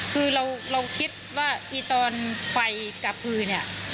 คือเราคิดว่าอีตอนไฟกลับคือเนี่ย